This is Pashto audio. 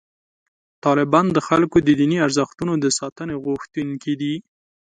طالبان د خلکو د دیني ارزښتونو د ساتنې غوښتونکي دي.